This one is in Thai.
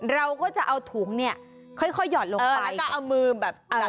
เราก็จะเอาถุงเนี่ยค่อยหยอดลงไป